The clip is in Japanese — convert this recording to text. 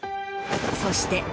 そして。